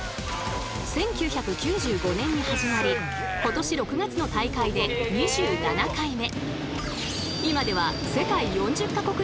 １９９５年に始まり今年６月の大会で２７回目。